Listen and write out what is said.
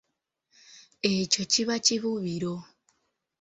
Ekyo kiba kibubiro.